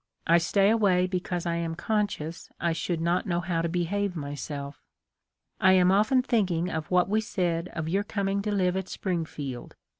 I stay away because I am conscious I should not know how to behave myself. I am often think ing of what we said of your coming to live at Springfield.